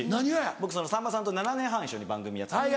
僕さんまさんと７年半一緒に番組やってたんですね